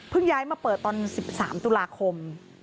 ย้ายมาเปิดตอน๑๓ตุลาคม